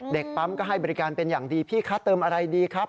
เด็กปั๊มก็ให้บริการเป็นอย่างดีพี่คะเติมอะไรดีครับ